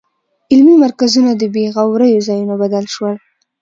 علمي مرکزونه د بېغوریو ځایونو بدل شول.